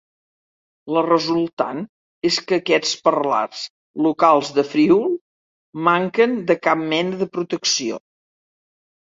La resultant és que aquests parlars locals del Friül manquen de cap mena de protecció.